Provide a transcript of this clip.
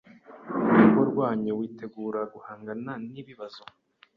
mu rugo rwanyu witegure guhangana n’ibibazo